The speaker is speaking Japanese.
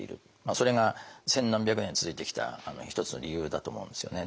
それが千何百年続いてきた一つの理由だと思うんですよね。